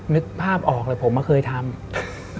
นึกภาพออกเลยผมไม่เคยทำ